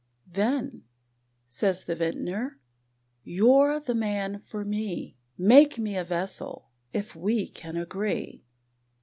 "Then," says the Vintner, "you're the man for me, Make me a vessel, if we can agree.